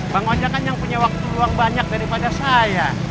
bang ojek kan yang punya waktu luang banyak daripada saya